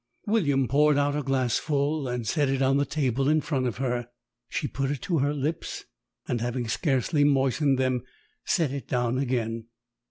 William poured out a glassful and set it on the table in front of her. She put it to her lips, and having scarcely moistened them, set it down again.